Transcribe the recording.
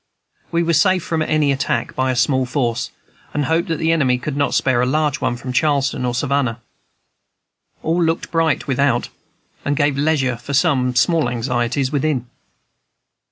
We were safe from any attack by a small force, and hoped that the enemy could not spare a large one from Charleston or Savannah. All looked bright without, and gave leisure for some small anxieties within.